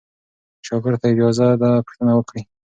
شاګرد ته اجازه ده پوښتنه وکړي.